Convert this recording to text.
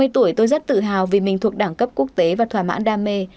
năm mươi tuổi tôi rất tự hào vì mình thuộc đẳng cấp quốc tế và thỏa mãn đam mê